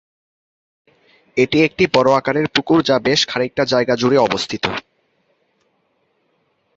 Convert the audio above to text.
এটি একটি বড়ো আকারের পুকুর যা বেশ খানিকটা জায়গা জুড়ে অবস্থিত।